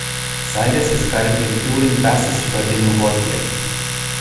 Cyrus is currently the touring bassist for Dimmu Borgir.